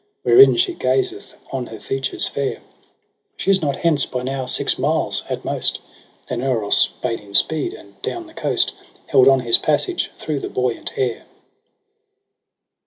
Wherein she gazeth on her features fair. She is not hence by now six miles at most.' Then Eros bade him speed, and down the coast Held on his passage through the buoyant air.